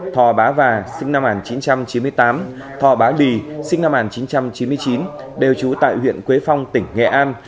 thò bá và sinh năm một nghìn chín trăm chín mươi tám thò bá bì sinh năm một nghìn chín trăm chín mươi chín đều trú tại huyện quế phong tỉnh nghệ an